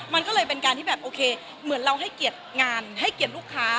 มันก็เลยเป็นการที่แบบโอเคเหมือนเราให้เกียรติงานให้เกียรติลูกค้า